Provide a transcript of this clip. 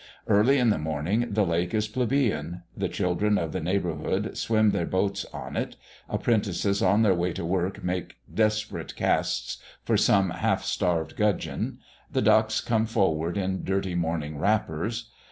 Early in the morning the lake is plebeian. The children of the neighbourhood swim their boats on it; apprentices on their way to work make desperate casts for some half starved gudgeon; the ducks come forward in dirty morning wrappers.